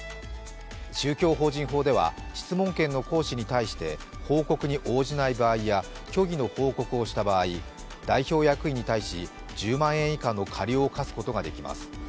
宗教法人法では質問権の行使に対して報告に応じない場合や虚偽の報告をした場合、代表役員に対し１０万円以下の過料を科すことができます。